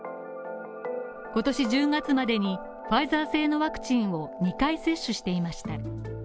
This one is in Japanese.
今年１０月までにファイザー製のワクチンを２回接種していました。